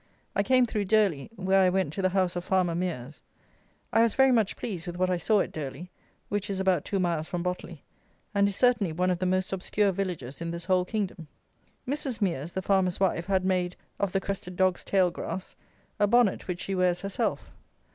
I came through Durley, where I went to the house of farmer Mears. I was very much pleased with what I saw at Durley, which is about two miles from Botley, and is certainly one of the most obscure villages in this whole kingdom. Mrs. Mears, the farmer's wife, had made, of the crested dog's tail grass, a bonnet which she wears herself.